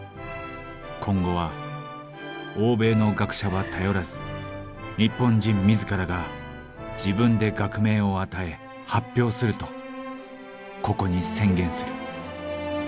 今後は欧米の学者は頼らず日本人自らが自分で学名を与え発表するとここに宣言する」。